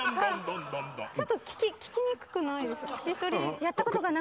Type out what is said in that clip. ちょっと聞きにくくないですか。